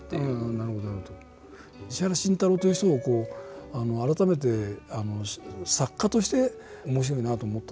石原慎太郎という人を改めて作家として面白いなと思った。